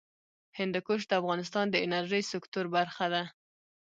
هندوکش د افغانستان د انرژۍ سکتور برخه ده.